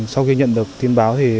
sau khi nhận được tin báo